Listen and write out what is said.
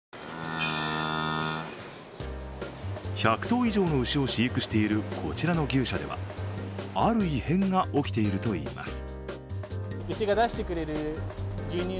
１００頭以上の牛を飼育しているこちらの牛舎ではある異変が起きているといいます。